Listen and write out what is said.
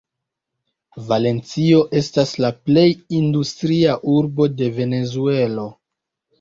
Valencio estas la plej industria urbo de Venezuelo.